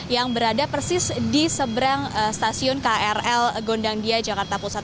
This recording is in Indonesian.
yang berada persis di seberang stasiun krl gondangdia jakarta pusat